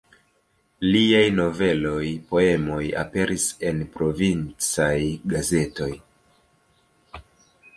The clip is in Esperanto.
Liaj noveloj, poemoj aperis en provincaj gazetoj.